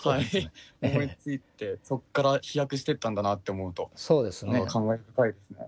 思いついてそこから飛躍してったんだなって思うと感慨深いですね。